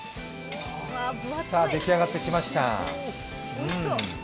出来上がってきました。